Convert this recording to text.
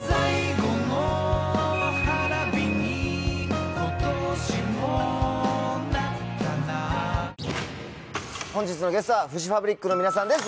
今年もなったな本日のゲストはフジファブリックの皆さんです。